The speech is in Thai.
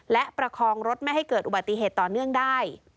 และประคองรถไม่ให้เกิดอุบัติเหตุต่อเนื่องได้